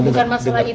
bukan masalah itu